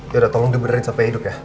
yaudah tolong dibenerin sampai hidup ya